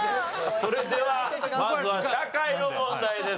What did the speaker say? それではまずは社会の問題です。